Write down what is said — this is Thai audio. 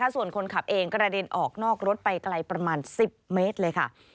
ส่วนคนขับเองกระเด็นออกนอกรถไปไกลประมาณ๑๐เมตรเลยค่ะ